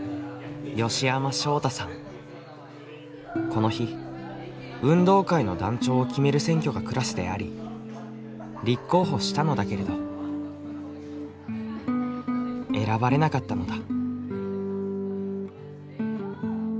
この日運動会の団長を決める選挙がクラスであり立候補したのだけれど選ばれなかったのだ。